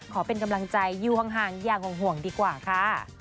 ขอเป็นกำลังใจอยู่ห่างอย่างห่วงดีกว่าค่ะ